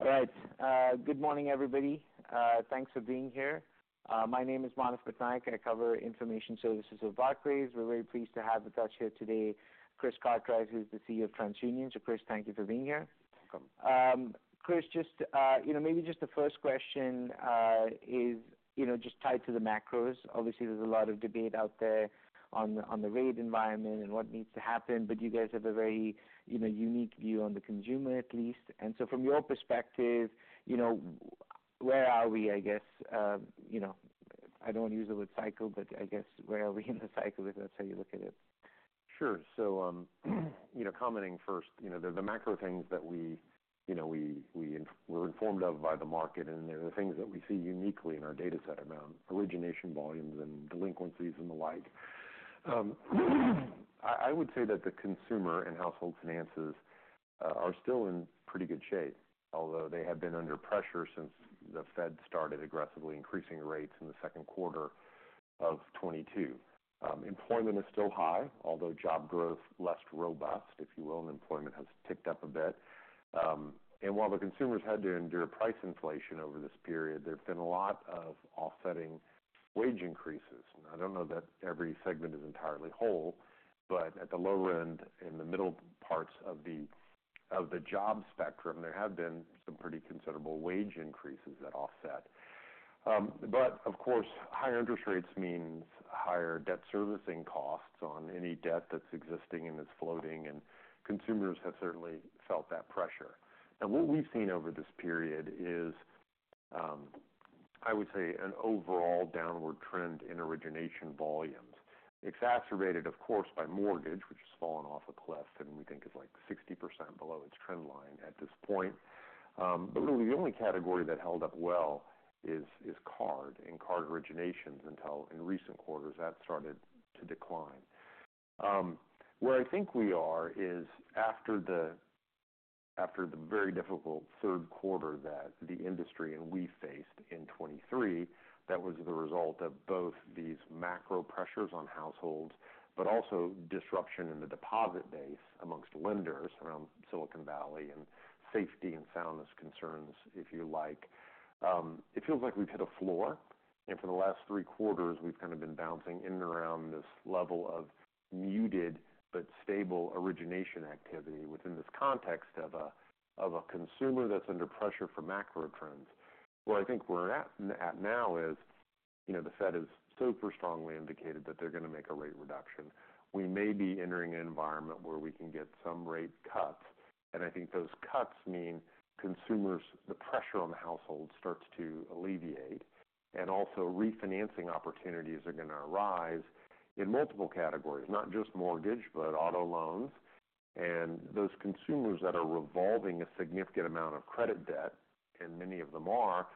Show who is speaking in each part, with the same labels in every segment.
Speaker 1: All right. Good morning, everybody. Thanks for being here. My name is Manav Patnaik, and I cover information services with Barclays. We're very pleased to have with us here today, Chris Cartwright, who's the CEO of TransUnion. So Chris, thank you for being here.
Speaker 2: Welcome.
Speaker 1: Chris, just, you know, maybe just the first question, is, you know, just tied to the macros. Obviously, there's a lot of debate out there on the rate environment and what needs to happen, but you guys have a very, you know, unique view on the consumer, at least. And so from your perspective, you know, where are we, I guess? You know, I don't want to use the word cycle, but I guess, where are we in the cycle, if that's how you look at it?
Speaker 2: Sure. So, you know, commenting first, you know, the macro things that we, you know, we're informed of by the market, and they're the things that we see uniquely in our data set around origination volumes and delinquencies and the like. I would say that the consumer and household finances are still in pretty good shape, although they have been under pressure since the Fed started aggressively increasing rates in the second quarter of 2022. Employment is still high, although job growth, less robust, if you will, and employment has ticked up a bit. And while the consumers had to endure price inflation over this period, there have been a lot of offsetting wage increases. And I don't know that every segment is entirely whole, but at the lower end, in the middle parts of the job spectrum, there have been some pretty considerable wage increases that offset. But of course, higher interest rates means higher debt servicing costs on any debt that's existing and is floating, and consumers have certainly felt that pressure. And what we've seen over this period is, I would say, an overall downward trend in origination volumes. Exacerbated, of course, by mortgage, which has fallen off a cliff, and we think is, like, 60% below its trend line at this point. But really, the only category that held up well is card and card originations, until in recent quarters, that started to decline. Where I think we are is after the, after the very difficult third quarter that the industry and we faced in 2023, that was the result of both these macro pressures on households, but also disruption in the deposit base amongst lenders around Silicon Valley and safety and soundness concerns, if you like. It feels like we've hit a floor, and for the last three quarters, we've kind of been bouncing in and around this level of muted but stable origination activity within this context of a consumer that's under pressure from macro trends. Where I think we're at now is, you know, the Fed has super strongly indicated that they're going to make a rate reduction. We may be entering an environment where we can get some rate cuts, and I think those cuts mean consumers, the pressure on the household starts to alleviate. And also, refinancing opportunities are going to arise in multiple categories, not just mortgage, but auto loans. And those consumers that are revolving a significant amount of credit debt, and many of them are,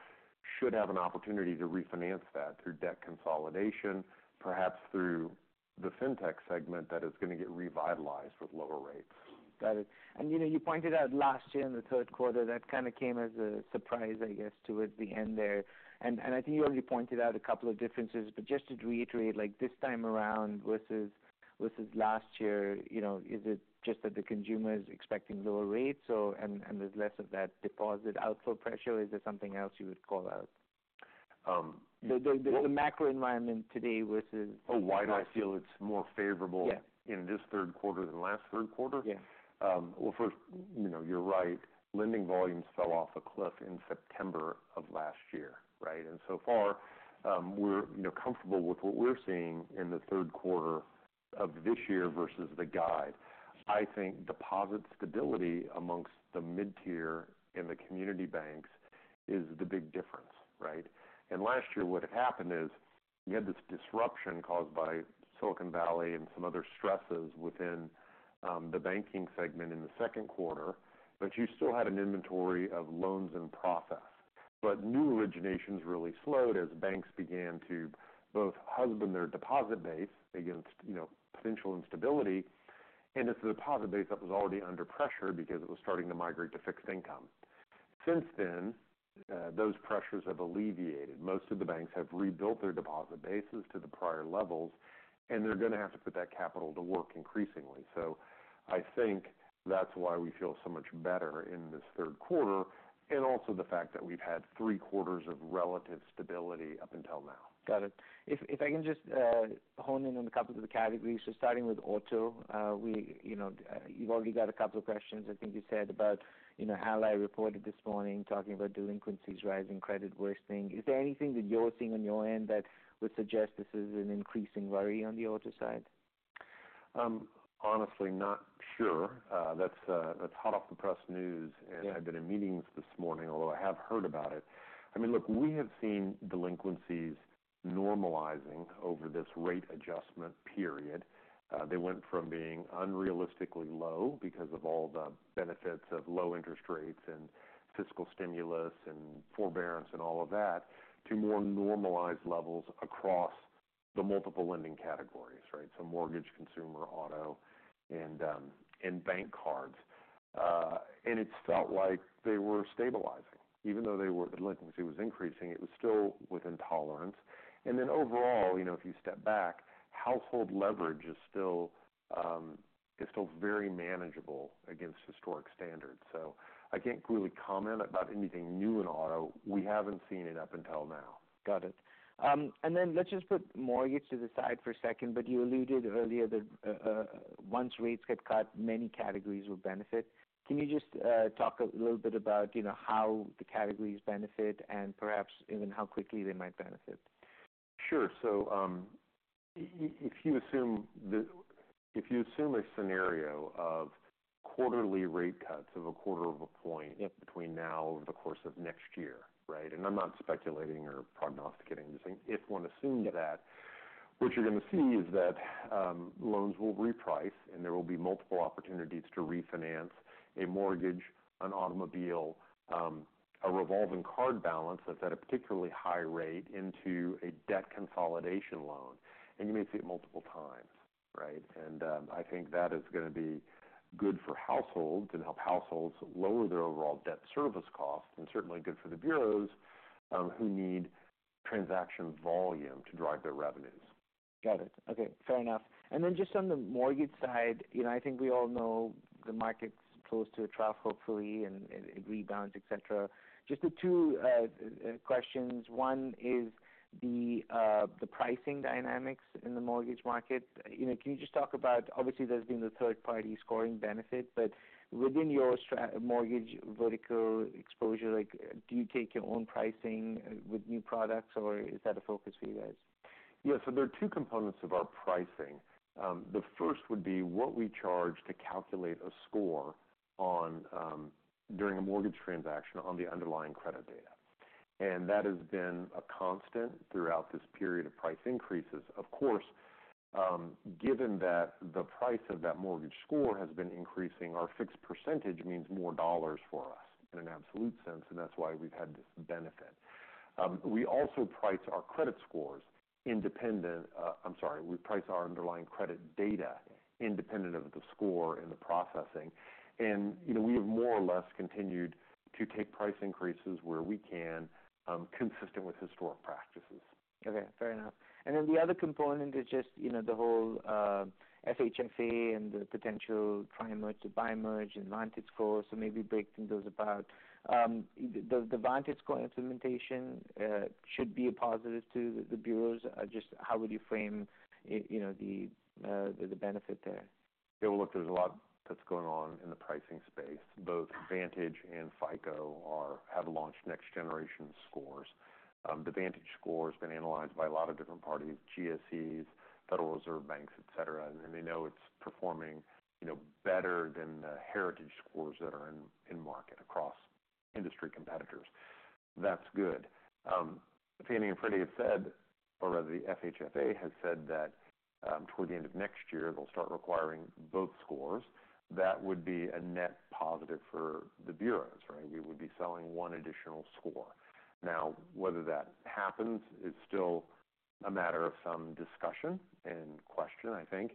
Speaker 2: should have an opportunity to refinance that through debt consolidation, perhaps through the fintech segment that is going to get revitalized with lower rates.
Speaker 1: Got it. And, you know, you pointed out last year in the third quarter, that kind of came as a surprise, I guess, towards the end there. And I think you already pointed out a couple of differences, but just to reiterate, like this time around versus last year, you know, is it just that the consumer is expecting lower rates or... And there's less of that deposit outflow pressure, or is there something else you would call out?
Speaker 2: Um, yeah-
Speaker 1: The macro environment today versus-
Speaker 2: Oh, why do I feel it's more favorable?
Speaker 1: Yeah.
Speaker 2: in this third quarter than last third quarter?
Speaker 1: Yeah.
Speaker 2: Well, first, you know, you're right. Lending volumes fell off a cliff in September of last year, right? And so far, we're, you know, comfortable with what we're seeing in the third quarter of this year versus the guide. I think deposit stability amongst the mid-tier and the community banks is the big difference, right? And last year, what happened is, you had this disruption caused by Silicon Valley and some other stresses within the banking segment in the second quarter, but you still had an inventory of loans in process, but new originations really slowed as banks began to both husband their deposit base against, you know, potential instability, and it's the deposit base that was already under pressure because it was starting to migrate to fixed income. Since then, those pressures have alleviated. Most of the banks have rebuilt their deposit bases to the prior levels, and they're going to have to put that capital to work increasingly. So I think that's why we feel so much better in this third quarter, and also the fact that we've had three quarters of relative stability up until now.
Speaker 1: Got it. If I can just hone in on a couple of the categories. So starting with auto, you know, you've already got a couple of questions, I think you said about, you know, how I reported this morning, talking about delinquencies, rising credit, worst thing. Is there anything that you're seeing on your end that would suggest this is an increasing worry on the auto side?
Speaker 2: Honestly, not sure. That's hot off the press news.
Speaker 1: Yeah.
Speaker 2: I've been in meetings this morning, although I have heard about it. I mean, look, we have seen delinquencies normalizing over this rate adjustment period. They went from being unrealistically low because of all the benefits of low interest rates and fiscal stimulus and forbearance and all of that, to more normalized levels across the multiple lending categories, right? Mortgage, consumer, auto, and bank cards. It felt like they were stabilizing. Even though the delinquency was increasing, it was still within tolerance. Then overall, you know, if you step back, household leverage is still very manageable against historic standards. I can't really comment about anything new in auto. We haven't seen it up until now.
Speaker 1: Got it. And then let's just put mortgage to the side for a second, but you alluded earlier that once rates get cut, many categories will benefit. Can you just talk a little bit about, you know, how the categories benefit and perhaps even how quickly they might benefit?
Speaker 2: Sure. So, if you assume a scenario of quarterly rate cuts of a quarter of a point between now over the course of next year, right? And I'm not speculating or prognosticating, I'm saying if one assumed that, what you're gonna see is that, loans will reprice, and there will be multiple opportunities to refinance a mortgage, an automobile, a revolving card balance that's at a particularly high rate into a debt consolidation loan, and you may see it multiple times, right? And, I think that is gonna be good for households and help households lower their overall debt service costs, and certainly good for the bureaus, who need transaction volume to drive their revenues.
Speaker 1: Got it. Okay, fair enough. And then just on the mortgage side, you know, I think we all know the market's close to a trough, hopefully, and it rebounds, et cetera. Just the two questions: One is the pricing dynamics in the mortgage market. You know, can you just talk about... Obviously, there's been the third-party scoring benefit, but within your mortgage vertical exposure, like, do you take your own pricing with new products, or is that a focus for you guys?
Speaker 2: Yeah. So there are two components of our pricing. The first would be what we charge to calculate a score on during a mortgage transaction on the underlying credit data, and that has been a constant throughout this period of price increases. Of course, given that the price of that mortgage score has been increasing, our fixed percentage means more dollars for us in an absolute sense, and that's why we've had this benefit. We also price our credit scores independent. I'm sorry, we price our underlying credit data independent of the score and the processing. You know, we have more or less continued to take price increases where we can, consistent with historic practices.
Speaker 1: Okay, fair enough. And then the other component is just, you know, the whole, FHFA and the potential tri-merge to bi-merge and Vantage Scores. So maybe break those apart. Does the VantageScore implementation, should be a positive to the bureaus? Just how would you frame it, you know, the benefit there?
Speaker 2: Yeah, well, look, there's a lot that's going on in the pricing space. Both Vantage and FICO have launched next generation scores. The VantageScore has been analyzed by a lot of different parties, GSEs, Federal Reserve Banks, et cetera, and they know it's performing, you know, better than the heritage scores that are in market across industry competitors. That's good. Fannie and Freddie have said, or rather, the FHFA has said that, toward the end of next year, they'll start requiring both scores. That would be a net positive for the bureaus, right? We would be selling one additional score. Now, whether that happens, it's still a matter of some discussion and question, I think.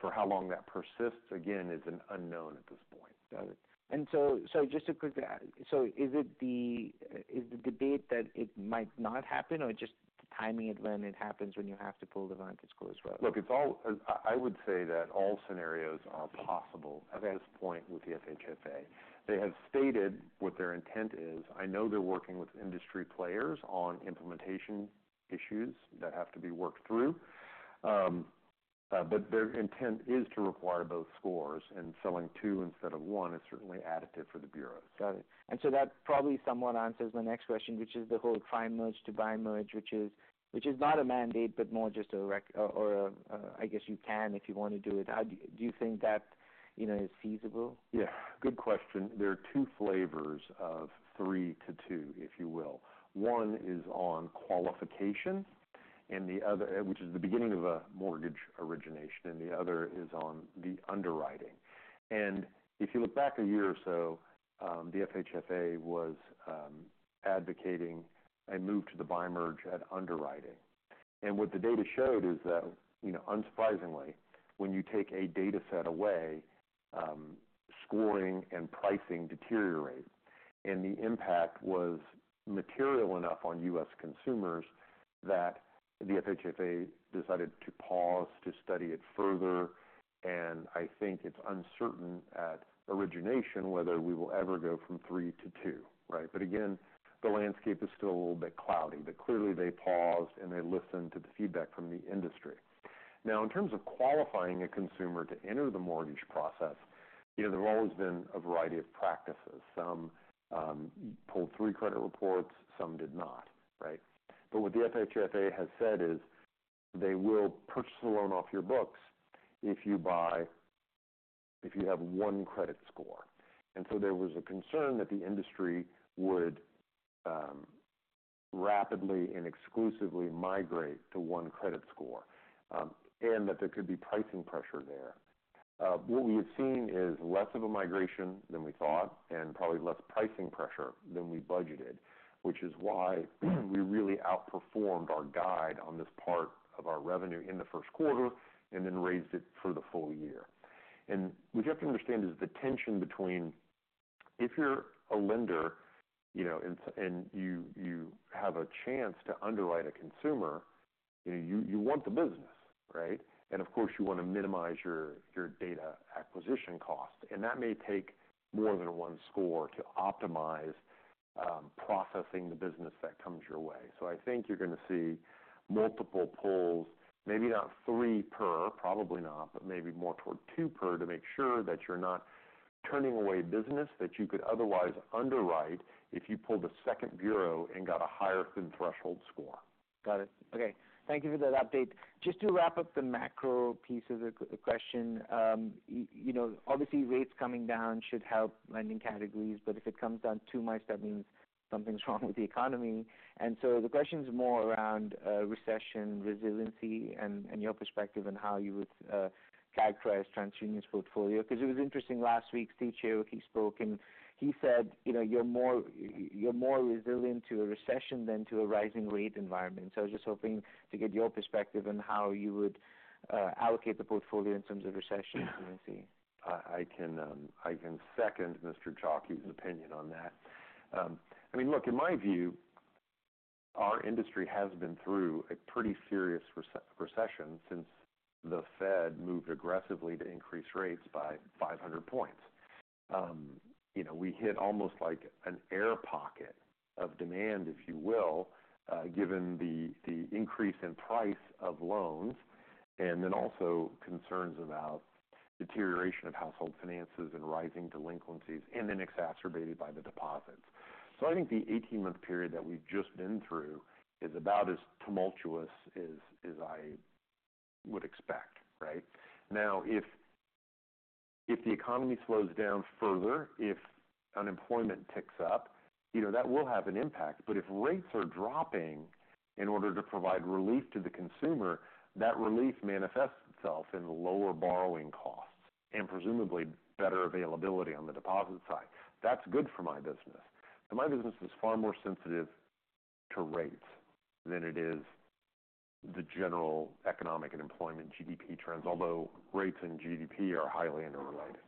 Speaker 2: For how long that persists, again, is an unknown at this point.
Speaker 1: Got it. And so, just a quick add. So is it the debate that it might not happen, or just the timing of when it happens, when you have to pull the VantageScore as well?
Speaker 2: Look, it's all- I would say that all scenarios are possible-
Speaker 1: Okay...
Speaker 2: at this point with the FHFA. They have stated what their intent is. I know they're working with industry players on implementation issues that have to be worked through, but their intent is to require both scores, and selling two instead of one is certainly additive for the bureaus.
Speaker 1: Got it. And so that probably somewhat answers my next question, which is the whole bi-merge to tri-merge, which is not a mandate, but more just a recommendation or, I guess you can if you want to do it. How do you think that, you know, is feasible?
Speaker 2: Yeah, good question. There are two flavors of three to two, if you will. One is on qualification, and the other, which is the beginning of a mortgage origination, and the other is on the underwriting, and if you look back a year or so, the FHFA was advocating a move to the bi-merge at underwriting, and what the data showed is that, you know, unsurprisingly, when you take a data set away, scoring and pricing deteriorate, and the impact was material enough on U.S. consumers that the FHFA decided to pause to study it further, and I think it's uncertain at origination whether we will ever go from three to two, right, but again, the landscape is still a little bit cloudy, but clearly, they paused, and they listened to the feedback from the industry. Now, in terms of qualifying a consumer to enter the mortgage process, you know, there have always been a variety of practices. Some pulled three credit reports, some did not, right? But what the FHFA has said is they will purchase the loan off your books if you have one credit score. And so there was a concern that the industry would rapidly and exclusively migrate to one credit score, and that there could be pricing pressure there. What we have seen is less of a migration than we thought, and probably less pricing pressure than we budgeted, which is why we really outperformed our guide on this part of our revenue in the first quarter and then raised it for the full year. And what you have to understand is the tension between if you're a lender, you know, and you have a chance to underwrite a consumer, you know, you want the business, right? And of course, you wanna minimize your data acquisition cost, and that may take more than one score to optimize processing the business that comes your way. So I think you're gonna see multiple pulls, maybe not three per, probably not, but maybe more toward two per, to make sure that you're not turning away business that you could otherwise underwrite if you pulled a second bureau and got a higher-than-threshold score.
Speaker 1: Got it. Okay. Thank you for that update. Just to wrap up the macro piece of the question, you know, obviously, rates coming down should help lending categories, but if it comes down too much, that means something's wrong with the economy. And so the question is more around recession resiliency and your perspective on how you would characterize TransUnion's portfolio. 'Cause it was interesting, last week, Steve Chaouki spoke, and he said, "You know, you're more resilient to a recession than to a rising rate environment." So I was just hoping to get your perspective on how you would allocate the portfolio in terms of recession resiliency.
Speaker 2: I can second Mr. Czajkie's opinion on that. I mean, look, in my view, our industry has been through a pretty serious recession since the Fed moved aggressively to increase rates by 500 points. You know, we hit almost like an air pocket of demand, if you will, given the increase in price of loans, and then also concerns about deterioration of household finances and rising delinquencies, and then exacerbated by the deposits. So I think the 18-month period that we've just been through is about as tumultuous as I would expect, right? Now, if the economy slows down further, if unemployment ticks up, you know, that will have an impact. But if rates are dropping in order to provide relief to the consumer, that relief manifests itself in lower borrowing costs and presumably better availability on the deposit side. That's good for my business. So my business is far more sensitive to rates than it is the general economic and employment GDP trends, although rates and GDP are highly interrelated.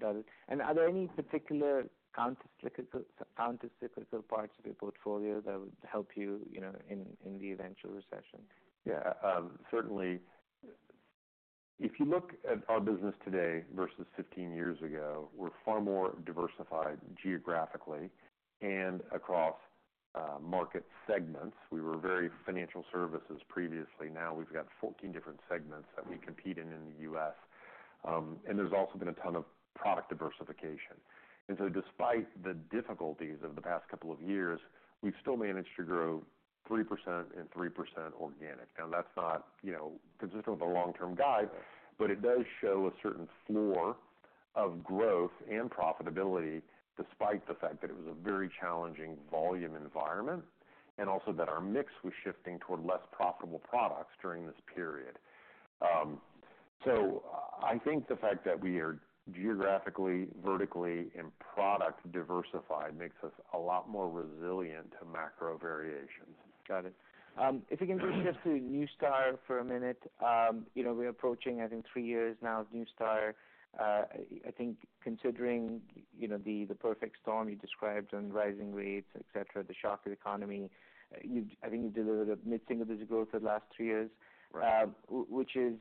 Speaker 1: Got it. And are there any particular countercyclical, countercyclical parts of your portfolio that would help you, you know, in the eventual recession?
Speaker 2: Yeah, certainly. If you look at our business today versus 15 years ago, we're far more diversified geographically and across market segments. We were very financial services previously. Now we've got 14 different segments that we compete in, in the U.S. And there's also been a ton of product diversification. And so despite the difficulties of the past couple of years, we've still managed to grow 3% and 3% organic. Now, that's not, you know, consistent with a long-term guide, but it does show a certain floor of growth and profitability, despite the fact that it was a very challenging volume environment, and also that our mix was shifting toward less profitable products during this period. So I think the fact that we are geographically, vertically, and product diversified makes us a lot more resilient to macro variations.
Speaker 1: Got it. If you can take us to Neustar for a minute. You know, we're approaching, I think, three years now with Neustar. I think considering you know the perfect storm you described on rising rates, et cetera, the shock of the economy, you, I think you delivered a mid-single-digit growth for the last three years.
Speaker 2: Right.
Speaker 1: Which is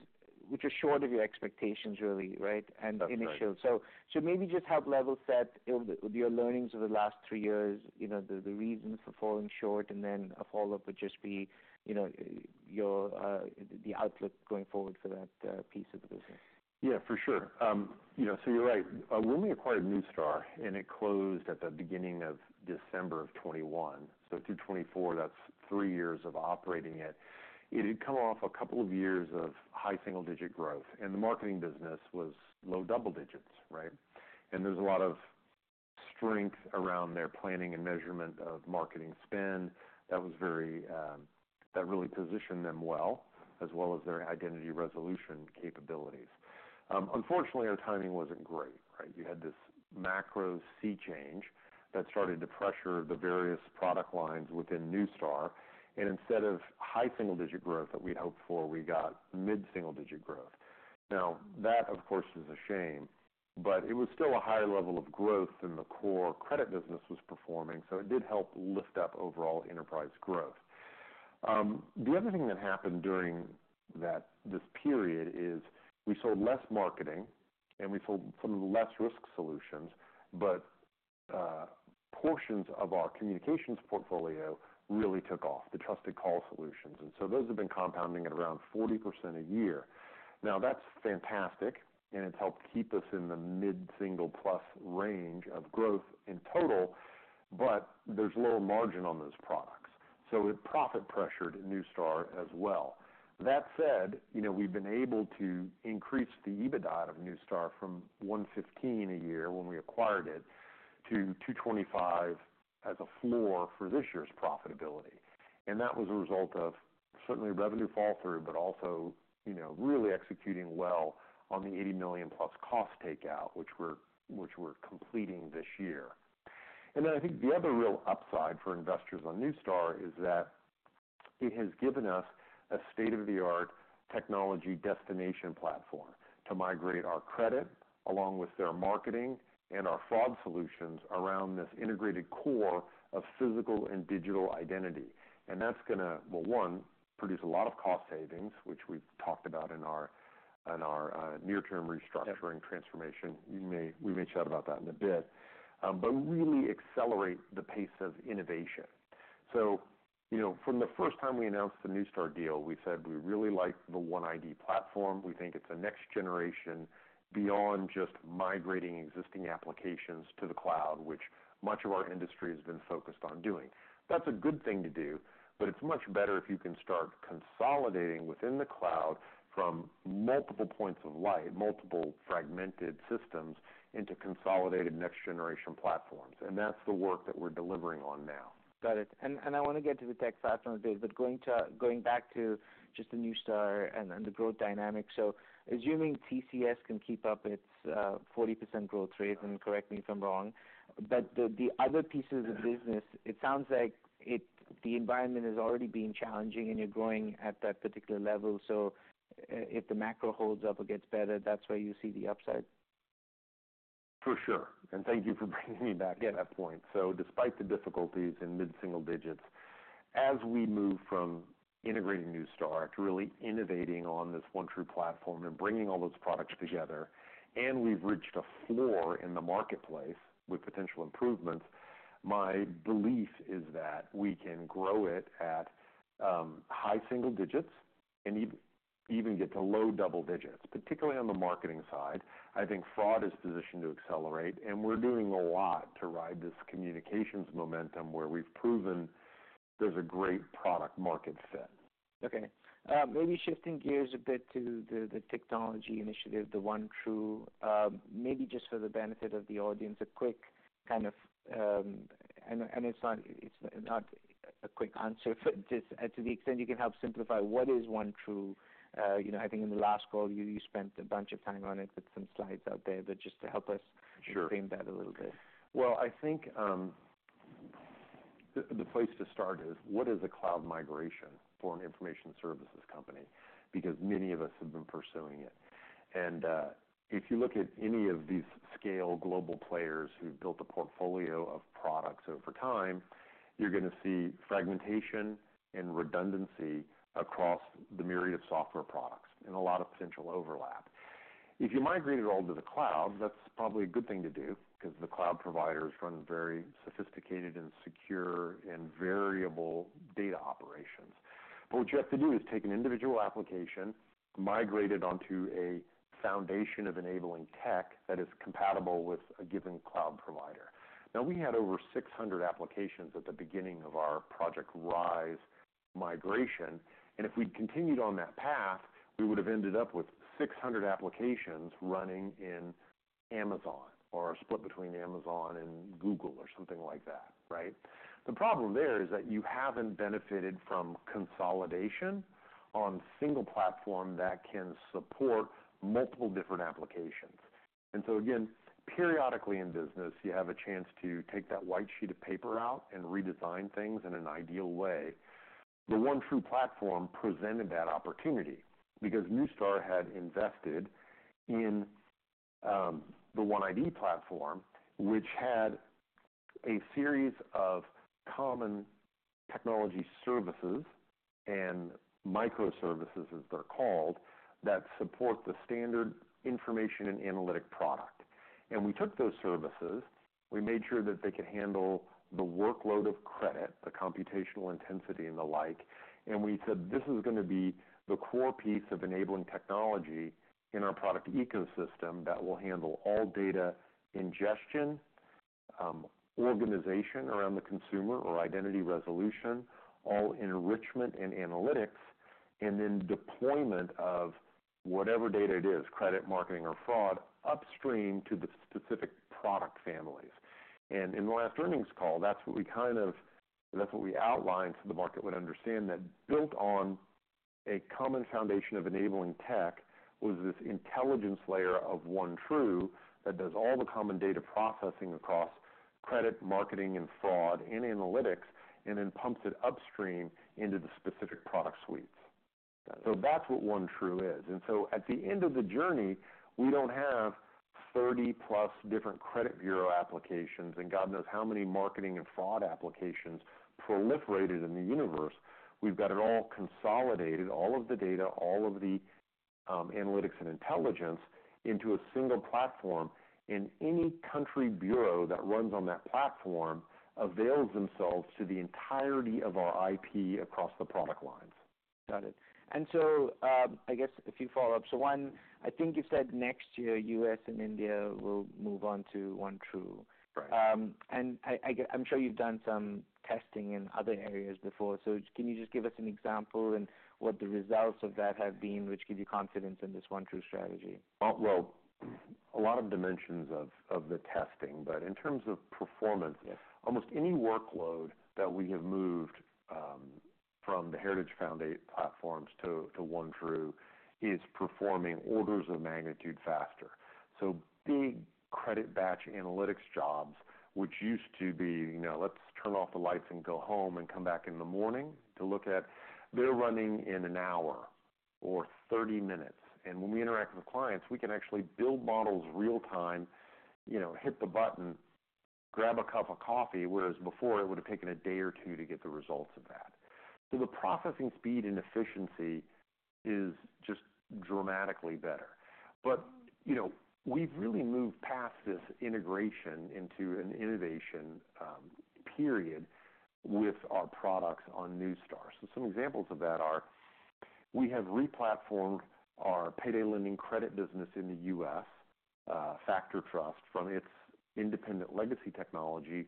Speaker 1: short of your expectations really, right?
Speaker 2: That's right.
Speaker 1: Maybe just help level set, you know, your learnings over the last three years, you know, the reasons for falling short, and then a follow-up would just be, you know, or the outlook going forward for that piece of the business.
Speaker 2: Yeah, for sure. You know, so you're right. When we acquired Neustar, and it closed at the beginning of December of 2021, so through 2024, that's three years of operating it. It had come off a couple of years of high single-digit growth, and the marketing business was low double-digit, right? And there's a lot of strength around their planning and measurement of marketing spend. That was very, that really positioned them well, as well as their identity resolution capabilities. Unfortunately, our timing wasn't great, right? You had this macro sea change that started to pressure the various product lines within Neustar, and instead of high single-digit growth that we'd hoped for, we got mid-single-digit growth. Now, that, of course, is a shame, but it was still a higher level of growth than the core credit business was performing, so it did help lift up overall enterprise growth. The other thing that happened during that, this period is we sold less marketing, and we sold some less risk solutions, but portions of our communications portfolio really took off, the Trusted Call Solutions, and so those have been compounding at around 40% a year. Now, that's fantastic, and it's helped keep us in the mid-single plus range of growth in total, but there's lower margin on those products, so it profit-pressured Neustar as well. That said, you know, we've been able to increase the EBITDA of Neustar from $115 million a year when we acquired it, to $225 million as a floor for this year's profitability. And that was a result of-... Certainly revenue fall through, but also, you know, really executing well on the $80 million plus cost takeout, which we're completing this year. I think the other real upside for investors on Neustar is that it has given us a state-of-the-art technology destination platform to migrate our credit, along with their marketing and our fraud solutions around this integrated core of physical and digital identity. That's gonna, well, one, produce a lot of cost savings, which we've talked about in our near-term restructuring transformation. We may chat about that in a bit, but really accelerate the pace of innovation. You know, from the first time we announced the Neustar deal, we said we really like the OneID platform. We think it's a next generation beyond just migrating existing applications to the cloud, which much of our industry has been focused on doing. That's a good thing to do, but it's much better if you can start consolidating within the cloud from multiple points of light, multiple fragmented systems into consolidated next generation platforms, and that's the work that we're delivering on now.
Speaker 1: Got it. And I want to get to the tech side in a bit, but going back to just the Neustar and the growth dynamics. So assuming TCS can keep up its 40% growth rate, and correct me if I'm wrong, but the other pieces of business, it sounds like the environment has already been challenging and you're growing at that particular level. So if the macro holds up or gets better, that's where you see the upside?
Speaker 2: For sure. And thank you for bringing me back to that point. So despite the difficulties in mid-single digits, as we move from integrating Neustar to really innovating on this OneTru platform and bringing all those products together, and we've reached a floor in the marketplace with potential improvements, my belief is that we can grow it at high single digits and even get to low double digits, particularly on the marketing side. I think fraud is positioned to accelerate, and we're doing a lot to ride this communications momentum, where we've proven there's a great product market fit.
Speaker 1: Okay, maybe shifting gears a bit to the technology initiative, the OneTru, maybe just for the benefit of the audience, a quick kind of... And it's not a quick answer, but just to the extent you can help simplify, what is OneTru? You know, I think in the last call, you spent a bunch of time on it, put some slides out there, but just to help us-
Speaker 2: Sure.
Speaker 1: Reframe that a little bit.
Speaker 2: I think, the place to start is what is a cloud migration for an information services company? Because many of us have been pursuing it. If you look at any of these scale global players who've built a portfolio of products over time, you're gonna see fragmentation and redundancy across the myriad of software products and a lot of potential overlap. If you migrate it all to the cloud, that's probably a good thing to do because the cloud providers run very sophisticated and secure and variable data operations. But what you have to do is take an individual application, migrate it onto a foundation of enabling tech that is compatible with a given cloud provider. Now, we had over 600 applications at the beginning of our Project Rise migration, and if we'd continued on that path, we would have ended up with 600 applications running in Amazon or split between Amazon and Google or something like that, right? The problem there is that you haven't benefited from consolidation on a single platform that can support multiple different applications, and so again, periodically in business, you have a chance to take that white sheet of paper out and redesign things in an ideal way. The OneTru platform presented that opportunity because Neustar had invested in the OneID platform, which had a series of common technology services and microservices, as they're called, that support the standard information and analytic product, and we took those services. We made sure that they could handle the workload of credit, the computational intensity and the like. And we said, "This is gonna be the core piece of enabling technology in our product ecosystem that will handle all data ingestion, organization around the consumer or identity resolution, all enrichment and analytics, and then deployment of whatever data it is, credit, marketing, or fraud, upstream to the specific product families." And in the last earnings call, that's what we kind of... That's what we outlined so the market would understand that built on a common foundation of enabling tech, was this intelligence layer of OneTru, that does all the common data processing across credit, marketing, and fraud and analytics, and then pumps it upstream into the specific product suites.
Speaker 1: Got it.
Speaker 2: So that's what OneTru is. And so at the end of the journey, we don't have 30 plus different credit bureau applications and God knows how many marketing and fraud applications proliferated in the universe. We've got it all consolidated, all of the data, all of the analytics and intelligence into a single platform. And any country bureau that runs on that platform avails themselves to the entirety of our IP across the product lines.
Speaker 1: Got it. And so, I guess a few follow-ups. So one, I think you said next year, U.S. and India will move on to OneTru.
Speaker 2: Right.
Speaker 1: I'm sure you've done some testing in other areas before. So can you just give us an example and what the results of that have been, which gives you confidence in this OneTru strategy?
Speaker 2: A lot of dimensions of the testing. But in terms of performance-
Speaker 1: Yes.
Speaker 2: Almost any workload that we have moved from the heritage foundational platforms to OneTru is performing orders of magnitude faster. So big credit batch analytics jobs, which used to be, you know, let's turn off the lights and go home and come back in the morning to look at, they're running in an hour or thirty minutes. And when we interact with clients, we can actually build models real time, you know, hit the button, grab a cup of coffee, whereas before it would've taken a day or two to get the results of that. So the processing speed and efficiency is just dramatically better. But, you know, we've really moved past this integration into an innovation period with our products on Neustar. So some examples of that are: we have replatformed our payday lending credit business in the U.S., FactorTrust, from its independent legacy technology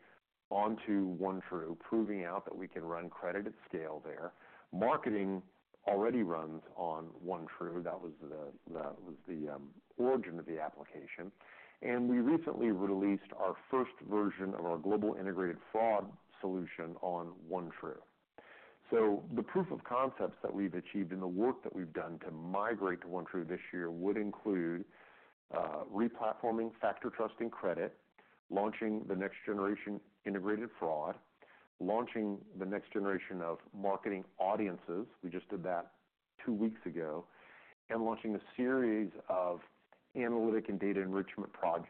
Speaker 2: onto OneTru, proving out that we can run credit at scale there. Marketing already runs on OneTru. That was the origin of the application. And we recently released our first version of our global integrated fraud solution on OneTru. So the proof of concepts that we've achieved and the work that we've done to migrate to OneTru this year would include replatforming FactorTrust in credit, launching the next generation integrated fraud, launching the next generation of marketing audiences, we just did that two weeks ago, and launching a series of analytic and data enrichment products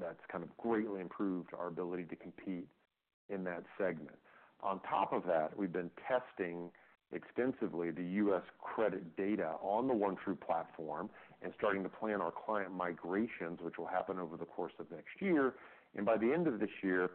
Speaker 2: that's kind of greatly improved our ability to compete in that segment. On top of that, we've been testing extensively the U.S. credit data on the OneTru platform and starting to plan our client migrations, which will happen over the course of next year, and by the end of this year,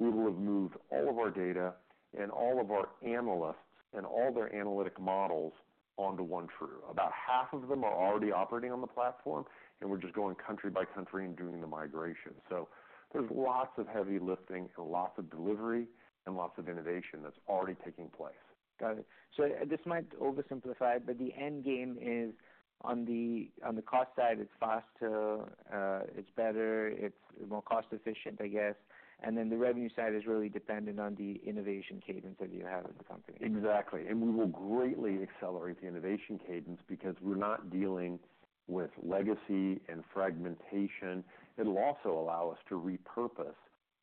Speaker 2: we will have moved all of our data and all of our analysts and all their analytic models onto OneTru. About half of them are already operating on the platform, and we're just going country by country and doing the migration, so there's lots of heavy lifting and lots of delivery and lots of innovation that's already taking place.
Speaker 1: Got it. So this might oversimplify it, but the end game is on the cost side, it's faster, it's better, it's more cost efficient, I guess. And then the revenue side is really dependent on the innovation cadence that you have as a company.
Speaker 2: Exactly. And we will greatly accelerate the innovation cadence because we're not dealing with legacy and fragmentation. It'll also allow us to repurpose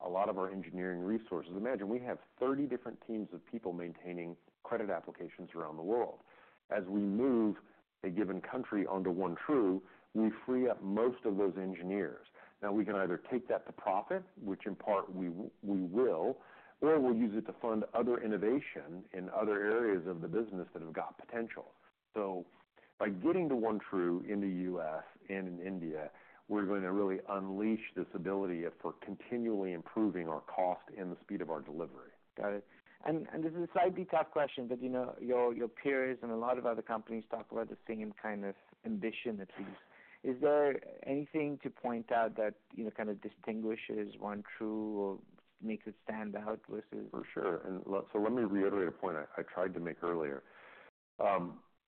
Speaker 2: a lot of our engineering resources. Imagine, we have thirty different teams of people maintaining credit applications around the world. As we move a given country onto OneTru, we free up most of those engineers. Now, we can either take that to profit, which in part we, we will, or we'll use it to fund other innovation in other areas of the business that have got potential. So by getting to OneTru in the U.S. and in India, we're going to really unleash this ability for continually improving our cost and the speed of our delivery.
Speaker 1: Got it. And this is a slightly tough question, but, you know, your peers and a lot of other companies talk about the same kind of ambition, at least. Is there anything to point out that, you know, kind of distinguishes OneTru or makes it stand out versus-
Speaker 2: For sure. So let me reiterate a point I tried to make earlier.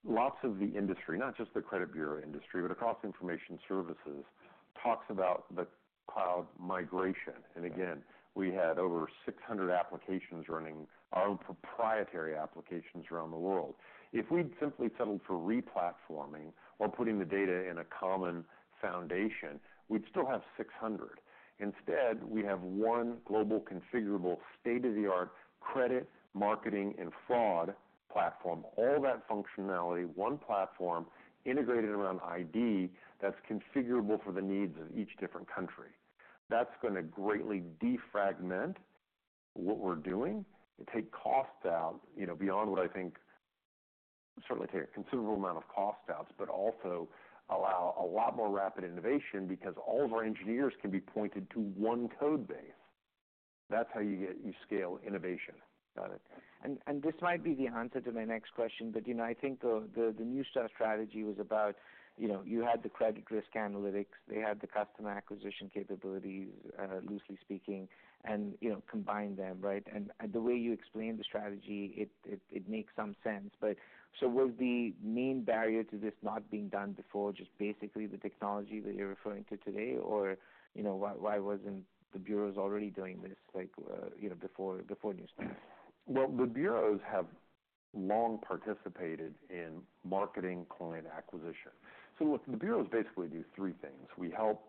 Speaker 2: Lots of the industry, not just the credit bureau industry, but across information services, talks about the cloud migration. And again, we had over six hundred applications running, our own proprietary applications around the world. If we'd simply settled for replatforming or putting the data in a common foundation, we'd still have six hundred. Instead, we have one global configurable, state-of-the-art credit, marketing, and fraud platform. All that functionality, one platform, integrated around ID, that's configurable for the needs of each different country. That's gonna greatly defragment what we're doing and take costs out, you know, beyond what I think, certainly take a considerable amount of cost out, but also allow a lot more rapid innovation because all of our engineers can be pointed to one code base. That's how you scale innovation.
Speaker 1: Got it. And this might be the answer to my next question, but you know, I think the Neustar strategy was about, you know, you had the credit risk analytics, they had the customer acquisition capabilities, loosely speaking, and, you know, combine them, right? And the way you explain the strategy, it makes some sense. But so was the main barrier to this not being done before, just basically the technology that you're referring to today, or, you know, why wasn't the bureaus already doing this, like, you know, before Neustar?
Speaker 2: The bureaus have long participated in marketing client acquisition. Look, the bureaus basically do three things: We help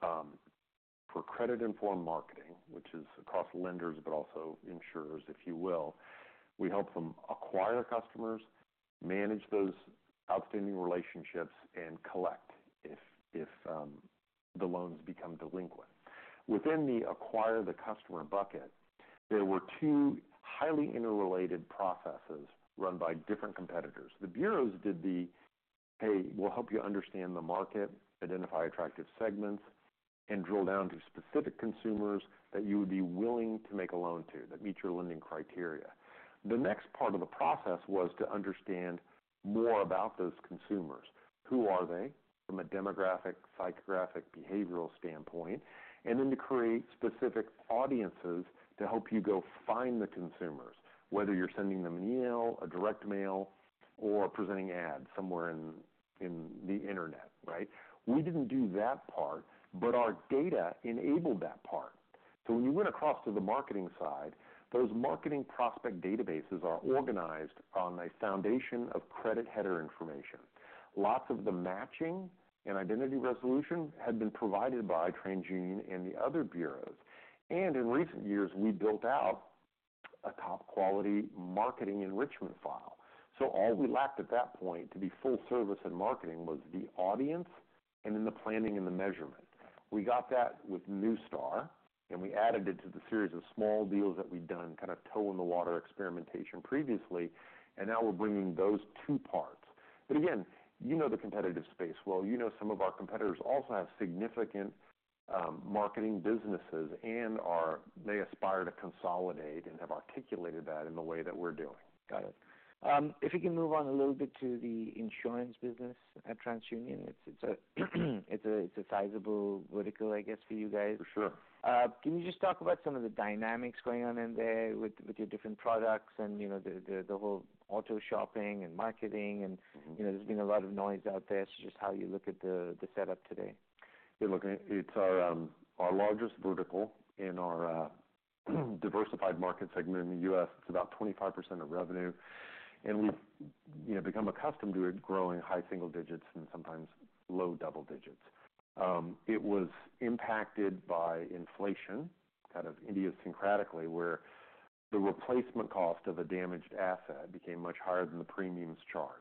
Speaker 2: for credit-informed marketing, which is across lenders, but also insurers, if you will. We help them acquire customers, manage those outstanding relationships, and collect if the loans become delinquent. Within the acquire the customer bucket, there were two highly interrelated processes run by different competitors. The bureaus did the, "Hey, we'll help you understand the market, identify attractive segments, and drill down to specific consumers that you would be willing to make a loan to, that meet your lending criteria." The next part of the process was to understand more about those consumers. Who are they from a demographic, psychographic, behavioral standpoint? And then to create specific audiences to help you go find the consumers, whether you're sending them an email, a direct mail-... or presenting ads somewhere in the internet, right? We didn't do that part, but our data enabled that part. So when you went across to the marketing side, those marketing prospect databases are organized on a foundation of credit header information. Lots of the matching and identity resolution had been provided by TransUnion and the other bureaus. And in recent years, we built out a top-quality marketing enrichment file. So all we lacked at that point to be full service in marketing was the audience and then the planning and the measurement. We got that with Neustar, and we added it to the series of small deals that we'd done, kind of toe-in-the-water experimentation previously, and now we're bringing those two parts. But again, you know the competitive space well. You know some of our competitors also have significant marketing businesses and they aspire to consolidate and have articulated that in the way that we're doing.
Speaker 1: Got it. If you can move on a little bit to the insurance business at TransUnion, it's a sizable vertical, I guess, for you guys.
Speaker 2: For sure.
Speaker 1: Can you just talk about some of the dynamics going on in there with your different products and, you know, the whole auto shopping and marketing and-
Speaker 2: Mm-hmm.
Speaker 1: You know, there's been a lot of noise out there. So just how you look at the setup today.
Speaker 2: Yeah, look, it's our largest vertical in our diversified market segment in the US. It's about 25% of revenue, and we've, you know, become accustomed to it growing high single digits and sometimes low double digits. It was impacted by inflation, kind of idiosyncratically, where the replacement cost of a damaged asset became much higher than the premiums charged.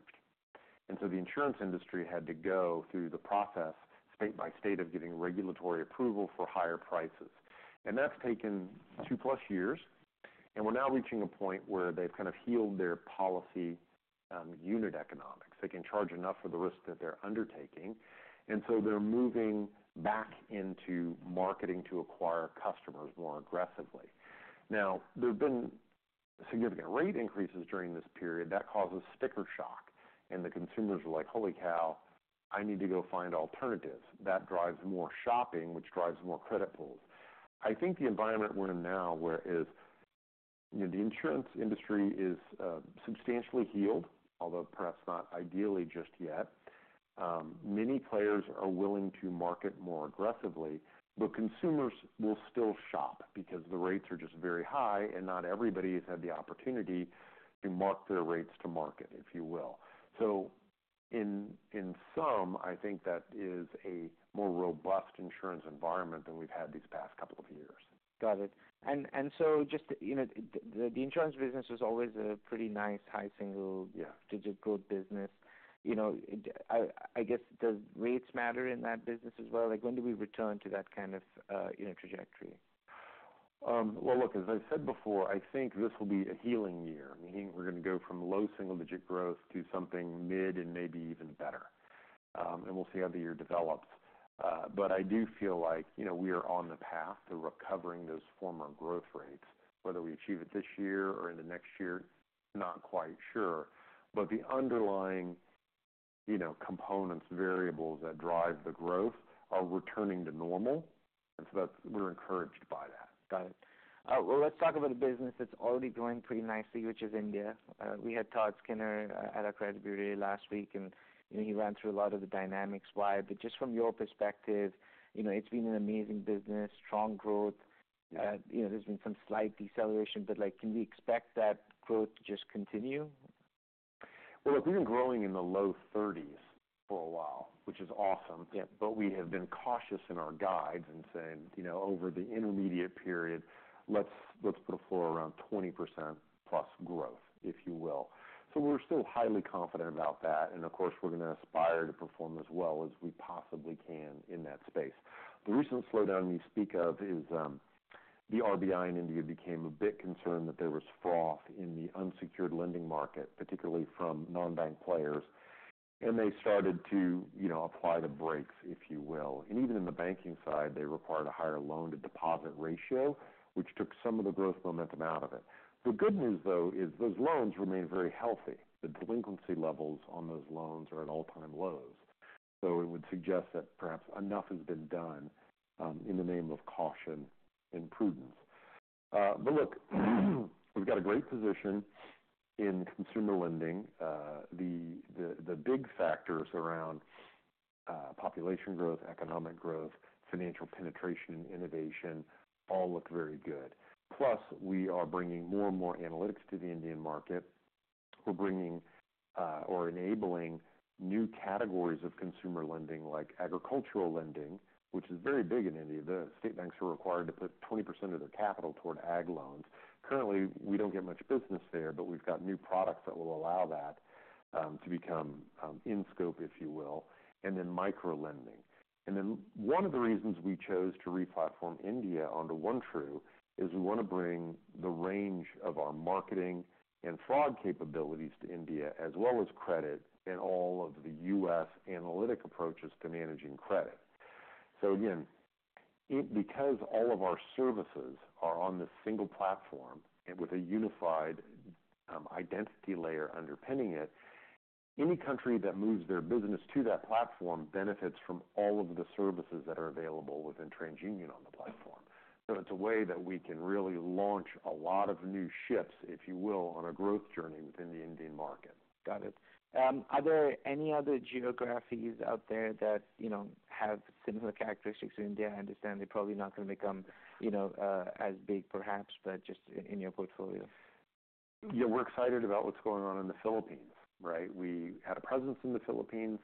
Speaker 2: And so the insurance industry had to go through the process, state by state, of getting regulatory approval for higher prices. That's taken two-plus years, and we're now reaching a point where they've kind of healed their policy unit economics. They can charge enough for the risk that they're undertaking, and so they're moving back into marketing to acquire customers more aggressively. Now, there have been significant rate increases during this period. That causes sticker shock, and the consumers are like, "Holy cow, I need to go find alternatives." That drives more shopping, which drives more credit pulls. I think the environment we're in now is, you know, the insurance industry is substantially healed, although perhaps not ideally just yet. Many players are willing to market more aggressively, but consumers will still shop because the rates are just very high, and not everybody has had the opportunity to mark their rates to market, if you will. So in sum, I think that is a more robust insurance environment than we've had these past couple of years.
Speaker 1: Got it. And so just, you know, the insurance business is always a pretty nice, high single-
Speaker 2: Yeah
Speaker 1: Double-digit growth business. You know, I guess, does rates matter in that business as well? Like, when do we return to that kind of, you know, trajectory?
Speaker 2: Well, look, as I've said before, I think this will be a healing year, meaning we're going to go from low single-digit growth to something mid and maybe even better. And we'll see how the year develops. But I do feel like, you know, we are on the path to recovering those former growth rates. Whether we achieve it this year or in the next year, not quite sure. But the underlying, you know, components, variables that drive the growth are returning to normal, and so that's. We're encouraged by that.
Speaker 1: Got it. Well, let's talk about a business that's already going pretty nicely, which is India. We had Todd Skinner at our credit bureau last week, and, you know, he ran through a lot of the dynamics why. But just from your perspective, you know, it's been an amazing business, strong growth.
Speaker 2: Yeah.
Speaker 1: You know, there's been some slight deceleration, but, like, can we expect that growth to just continue?
Speaker 2: Look, we've been growing in the low thirties for a while, which is awesome.
Speaker 1: Yeah.
Speaker 2: But we have been cautious in our guides and saying, you know, over the intermediate period, let's put a floor around 20% plus growth, if you will. So we're still highly confident about that, and of course, we're going to aspire to perform as well as we possibly can in that space. The recent slowdown you speak of is the RBI in India became a bit concerned that there was fraud in the unsecured lending market, particularly from non-bank players. And they started to, you know, apply the brakes, if you will. And even in the banking side, they required a higher loan-to-deposit ratio, which took some of the growth momentum out of it. The good news, though, is those loans remain very healthy. The delinquency levels on those loans are at all-time lows. So it would suggest that perhaps enough has been done in the name of caution and prudence. But look, we've got a great position in consumer lending. The big factors around population growth, economic growth, financial penetration, and innovation all look very good. Plus, we are bringing more and more analytics to the Indian market. We're bringing or enabling new categories of consumer lending, like agricultural lending, which is very big in India. The state banks are required to put 20% of their capital toward ag loans. Currently, we don't get much business there, but we've got new products that will allow that to become in scope, if you will, and then microlending. And then one of the reasons we chose to replatform India onto OneTru is we want to bring the range of our marketing and fraud capabilities to India, as well as credit and all of the U.S. analytic approaches to managing credit. So again, because all of our services are on this single platform and with a unified identity layer underpinning it, any country that moves their business to that platform benefits from all of the services that are available within TransUnion on the platform. So it's a way that we can really launch a lot of new ships, if you will, on a growth journey within the Indian market.
Speaker 1: Got it. Are there any other geographies out there that, you know, have similar characteristics to India? I understand they're probably not going to become, you know, as big perhaps, but just in your portfolio.
Speaker 2: Yeah, we're excited about what's going on in the Philippines, right? We had a presence in the Philippines.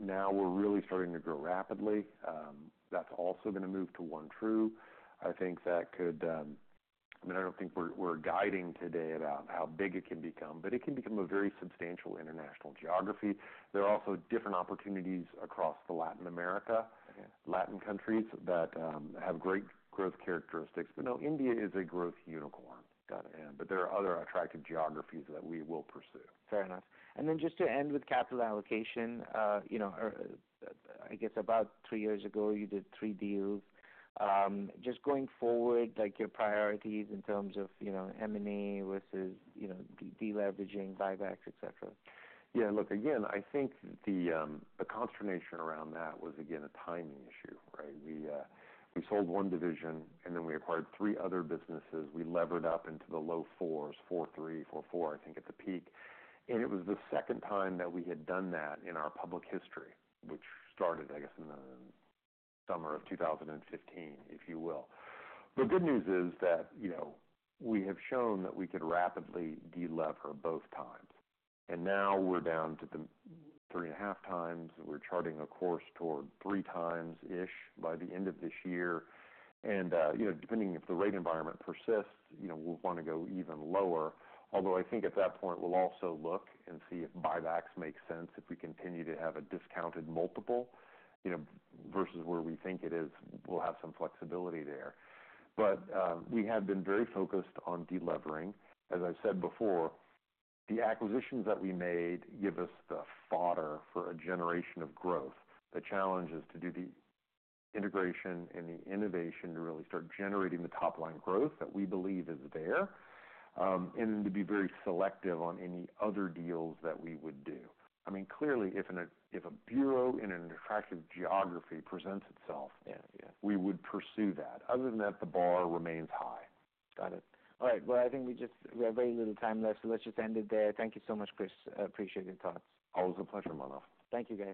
Speaker 2: Now we're really starting to grow rapidly. That's also going to move to OneTru. I think that could, I mean, I don't think we're guiding today about how big it can become, but it can become a very substantial international geography. There are also different opportunities across the Latin America-
Speaker 1: Okay.
Speaker 2: Latin countries that have great growth characteristics, but no, India is a growth unicorn.
Speaker 1: Got it.
Speaker 2: But there are other attractive geographies that we will pursue.
Speaker 1: Fair enough. And then just to end with capital allocation, you know, I guess about three years ago, you did three deals. Just going forward, like your priorities in terms of, you know, M&A versus, you know, deleveraging, buybacks, et cetera.
Speaker 2: Yeah, look, again, I think the consternation around that was again a timing issue, right? We sold one division and then we acquired three other businesses. We levered up into the low fours, four three, four four, I think, at the peak. And it was the second time that we had done that in our public history, which started, I guess, in the summer of two thousand and fifteen, if you will. The good news is that, you know, we have shown that we could rapidly delever both times, and now we're down to the three and a half times. We're charting a course toward three times-ish by the end of this year. And, you know, depending if the rate environment persists, you know, we'll want to go even lower. Although I think at that point, we'll also look and see if buybacks make sense, if we continue to have a discounted multiple, you know, versus where we think it is, we'll have some flexibility there. But, we have been very focused on delevering. As I've said before, the acquisitions that we made give us the fodder for a generation of growth. The challenge is to do the integration and the innovation to really start generating the top line growth that we believe is there, and then to be very selective on any other deals that we would do. I mean, clearly, if in a-- if a bureau in an attractive geography presents itself-
Speaker 1: Yeah, yeah.
Speaker 2: We would pursue that. Other than that, the bar remains high.
Speaker 1: Got it. All right, well, I think we just... We have very little time left, so let's just end it there. Thank you so much, Chris. I appreciate your thoughts.
Speaker 2: Always a pleasure, Mano.
Speaker 1: Thank you, guys.